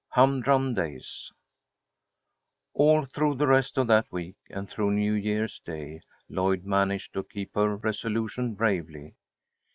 HUMDRUM DAYS ALL through the rest of that week, and through New Year's Day, Lloyd managed to keep her resolution bravely.